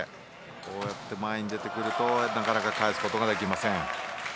こうやって前に出てくるとなかなか返すことができません。